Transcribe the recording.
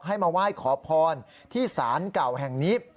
ให้มาไหว้ขอพรที่ศาลเก่าแห่งนี้